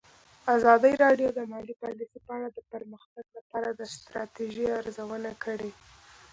ازادي راډیو د مالي پالیسي په اړه د پرمختګ لپاره د ستراتیژۍ ارزونه کړې.